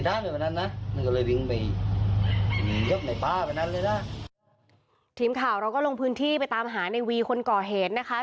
ทีมข่าวเราก็ลงพื้นที่ไปตามหาในวีคนก่อเหตุนะคะ